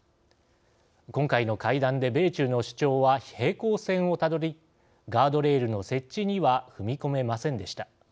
今回の会談で米中の主張は平行線をたどりガードレールの設置には踏み込めませんでした。